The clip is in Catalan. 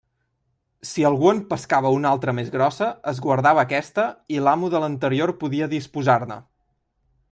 Si algú en pescava una altra més grossa, es guardava aquesta, i l'amo de l'anterior podia disposar-ne.